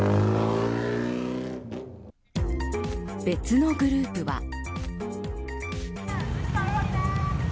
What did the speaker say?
別のグループは。